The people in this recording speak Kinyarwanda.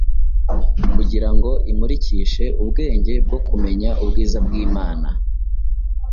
kugira ngo imurikishe ubwenge bwo kumenya ubwiza bw’Imana